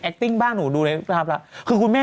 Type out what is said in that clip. แอบเด็กทั้งคู่อ่ะ